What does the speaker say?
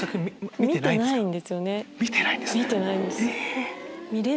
見てないんですよ。